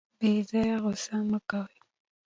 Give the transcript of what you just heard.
بې ځایه غوسه مه کوئ.